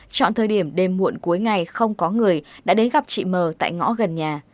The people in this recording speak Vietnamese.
chọn thời điểm đêm muộn cuối ngày không có người đã đến gặp chị mờ tại ngõ gần nhà